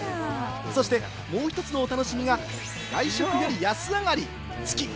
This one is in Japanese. そしてもう１つのお楽しみが、外食より安上がり！